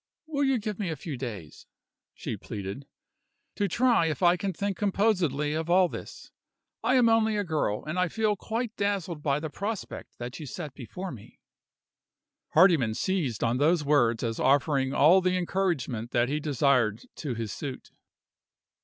"Will you give me a few days," she pleaded, "to try if I can think composedly of all this? I am only a girl, and I feel quite dazzled by the prospect that you set before me." Hardyman seized on those words as offering all the encouragement that he desired to his suit.